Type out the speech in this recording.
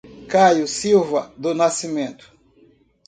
Caio Silva do Nascimento